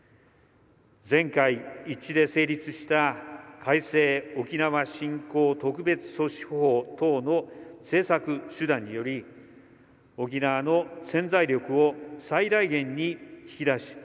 全会一致で成立した改正沖縄振興特別措置法等の政策手段により沖縄の潜在力を最大限に引き出し